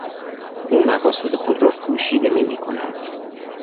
او مقاصد خود را پوشیده نمیکند.